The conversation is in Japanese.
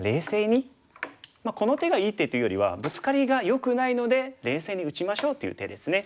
この手がいい手というよりはブツカリがよくないので冷静に打ちましょうという手ですね。